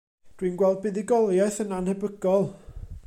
Dwi'n gweld buddugoliaeth yn annhebygol.